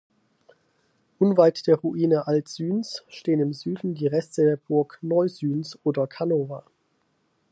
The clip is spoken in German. Unweit der Ruine Alt-Süns stehen im Süden die Reste der Burg Neu-Süns oder Canova.